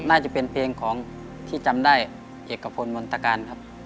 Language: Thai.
น่าจะเป็นเพลงของที่จำได้เอกพลมนตการครับ